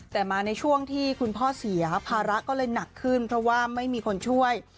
แต่มาในช่วงที่คุณพ่อเสียภาระก็เลยหนักขึ้นเพราะว่าไม่มีคนช่วย